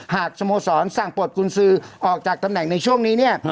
สโมสรสั่งปลดกุญสือออกจากตำแหน่งในช่วงนี้เนี่ย